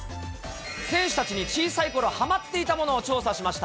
選手たちに小さいころはまっていたものを調査しました。